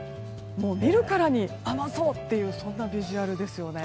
見るからに甘そうというビジュアルですよね。